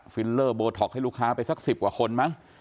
ฟิลเลอร์โบท็อกให้ลูกค้าไปสัก๑๐กว่าคนมั้ง